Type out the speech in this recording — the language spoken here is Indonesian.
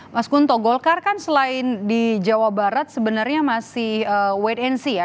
mas kunto golkar kan selain di jawa barat sebenarnya masih wait and see ya